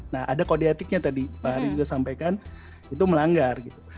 nah ada kode etiknya tadi pak hari juga sampaikan itu melanggar gitu